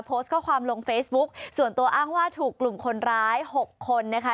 โพสต์ข้อความลงเฟซบุ๊กส่วนตัวอ้างว่าถูกกลุ่มคนร้ายหกคนนะคะ